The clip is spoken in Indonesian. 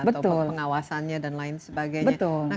atau pengawasannya dan lain sebagainya